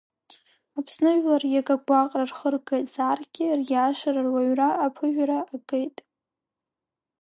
Аԥсны жәлар иага гәаҟра рхыргазаргьы, риашара, руаҩра аԥыжәара агеит.